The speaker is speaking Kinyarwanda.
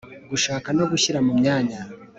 gushaka no gushyira mu myanya